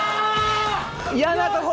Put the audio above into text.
嫌なとこ！